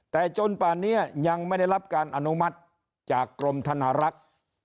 แต่จนป่านนี้ยังไม่ได้รับการอนุมัติจากกรมธนารักษ์